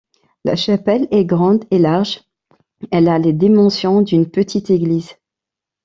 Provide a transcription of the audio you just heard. La chapelle est grande et large: elle a les dimensions d’une petite église.